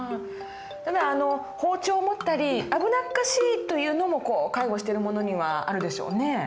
ただ包丁を持ったり危なっかしいというのも介護してる者にはあるでしょうね。